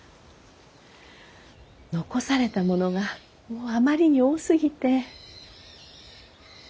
残されたものがもうあまりに多すぎて。